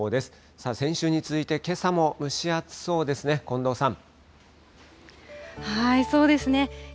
さあ、先週に続いてけさも蒸し暑そうですね、近藤さん。